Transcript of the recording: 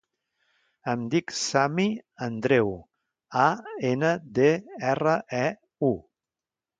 Em dic Sami Andreu: a, ena, de, erra, e, u.